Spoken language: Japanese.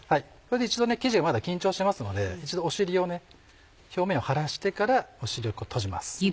生地がまだ緊張してますので一度お尻を表面を張らしてからお尻をとじます。